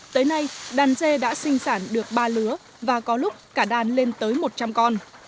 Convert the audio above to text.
tới nay đàn dê đã sinh sản được ba lứa và có lúc cả đàn lên tới một trăm linh con